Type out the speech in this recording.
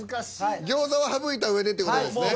餃子は省いたうえでって事ですね。